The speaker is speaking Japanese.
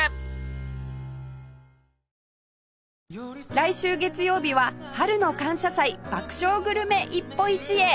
来週月曜日は春の感謝祭爆笑グルメ一歩一会